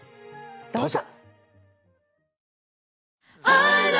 どうぞ。